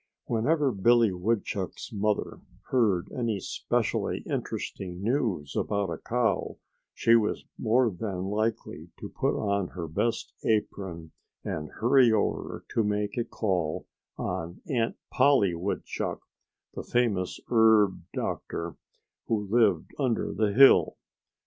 Whenever Billy Woodchuck's mother heard any specially interesting news about a cow she was more than likely to put on her best apron and hurry over to make a call on Aunt Polly Woodchuck, the famous herb doctor, who lived under the hill.